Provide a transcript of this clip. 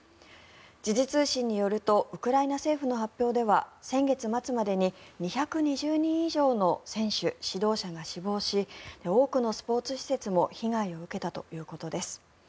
時事通信によるとウクライナ政府の発表では先月末までに２２０人以上の選手、指導者が死亡し多くのスポーツ施設も被害を受けたということです。